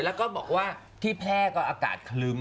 แล้วก็บอกว่าที่แพร่ก็อากาศคลึ้ม